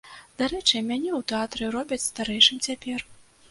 Дарэчы, мяне ў тэатры робяць старэйшым цяпер.